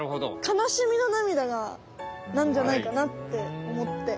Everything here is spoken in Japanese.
悲しみの涙なんじゃないかなっておもって。